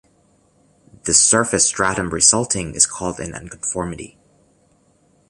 The surface stratum resulting is called an unconformity.